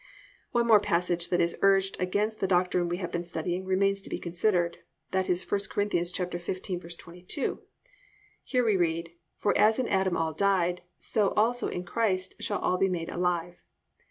5. One more passage that is urged against the doctrine we have been studying remains to be considered, that is 1 Cor. 15:22. Here we read, +"For as in Adam all died, so also in Christ shall all be made alive."